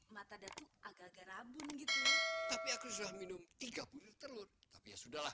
mata datu agak agak rabun gitu tapi aku sudah minum tiga puluh telur tapi ya sudah lah